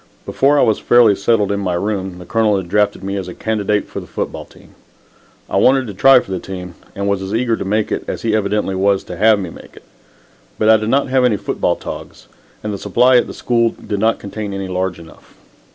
Before I was fairly settled in my room, the Colonel had drafted me as a candidate for the football team. I wanted to try for the team, and was as eager to make it as he evidently was to have me make it. But I did not have any football togs, and the supply at the school did not contain any large enough.